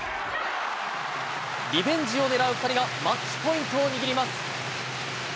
リベンジをねらう２人がマッチポイントを握ります。